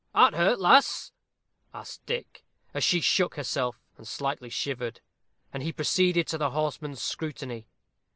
"Art hurt, lass?" asked Dick, as she shook herself, and slightly shivered. And he proceeded to the horseman's scrutiny.